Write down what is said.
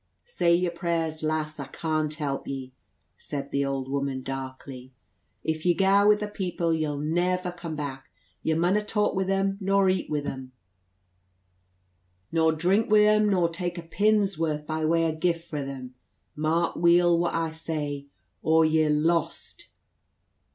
"Say yer prayers, lass; I can't help ye," says the old woman darkly. "If ye gaa wi' the people, ye'll never come back. Ye munna talk wi' them, nor eat wi' them, nor drink wi' them, nor tak a pin's worth by way o' gift fra them mark weel what I say or ye're _lost!